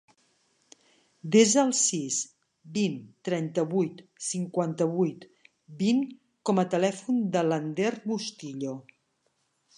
Desa el sis, vint, trenta-vuit, cinquanta-vuit, vint com a telèfon de l'Ander Bustillo.